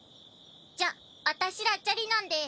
じゃ私らチャリなんで。